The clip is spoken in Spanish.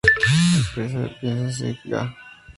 Empresa Piensos Ega.